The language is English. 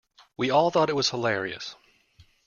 We all thought it was hilarious.